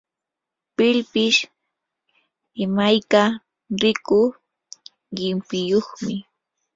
pillpish imayka rikuq llimpiyuqmi.